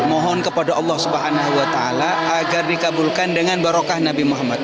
mohon kepada allah swt agar dikabulkan dengan barokah nabi muhammad